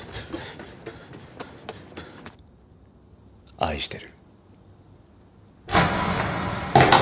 愛してる。